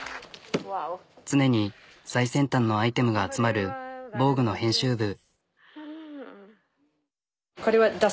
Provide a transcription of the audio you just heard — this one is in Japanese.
常に最先端のアイテムが集まる「ＶＯＧＵＥ」の編集部。